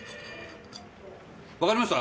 わかりました！